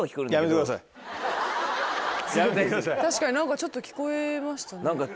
確かに何かちょっと聞こえました。